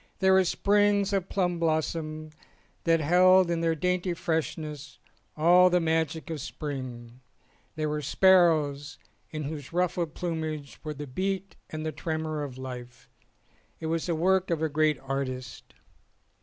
There were sprigs of plum blossom that held in their dainty freshness all the magic of the spring ; there were sparrows in whose ruffled plumage were the beat and the tremor of life. It was the work of a great artist.